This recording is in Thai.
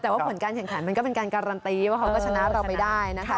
แต่ว่าผลการแข่งขันมันก็เป็นการการันตีว่าเขาก็ชนะเราไปได้นะคะ